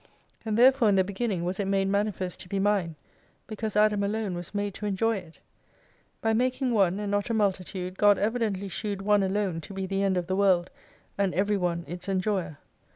And therefore in the beginning, was it made manifest to be mine, because Adam alone was made to enjoy it. By making one, and not a multitude, God evidently shewed one alone to be the end of the World and every one its enjoyer.